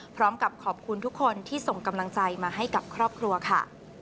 พร้อมกับขอบคุณทุกคนที่ส่งกำลังใจมาให้กับครอบครัวค่ะ